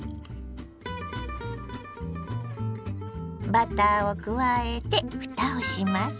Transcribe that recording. バターを加えてふたをします。